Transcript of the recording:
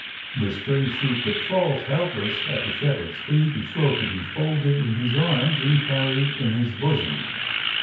The stray sheep that falls helpless at the Shepherd's feet is sure to be folded in His arms and carried in His bosom.